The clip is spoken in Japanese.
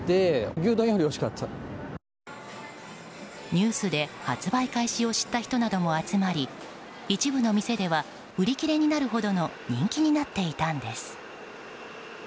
ニュースで発売開始を知った人なども集まり一部の店では売り切れになるほどの人気になっていたんです。